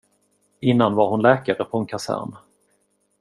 Innan var hon läkare på en kasern.